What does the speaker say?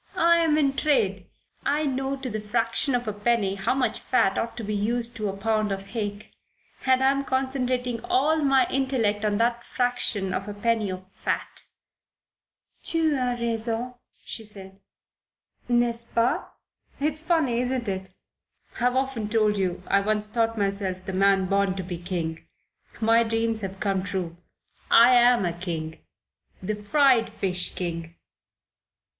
I'm in trade. I know to the fraction of a penny how much fat ought to be used to a pound of hake, and I'm concentrating all my intellect on that fraction of a penny of fat." "Tu as raison," she said. "N'est ce pas? It's funny, isn't it? I've often told you I once thought myself the man born to be king. My dreams have come true. I am a king. The fried fish king."